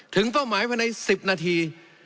เป้าหมายภายใน๑๐นาที